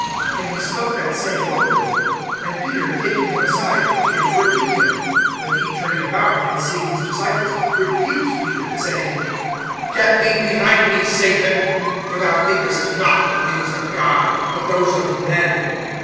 (32)And he spoke that saying openly. And Peter, taking him aside, began to rebuke him. (33)But he turning about, and seeing his disciples, rebuked Peter, saying: Get thee behind me, Satan; for thou thinkest not the things of God, but those of men.